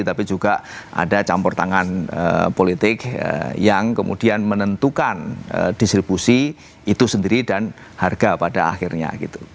tapi juga ada campur tangan politik yang kemudian menentukan distribusi itu sendiri dan harga pada akhirnya